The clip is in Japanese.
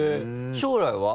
将来は？